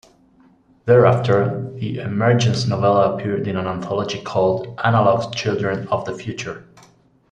Thereafter the "Emergence" novella appeared in an anthology called "Analog's Children of the Future".